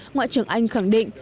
ngoại trưởng anh khẳng định